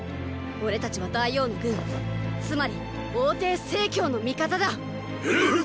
俺たちは大王の軍つまり王弟成の味方だっ！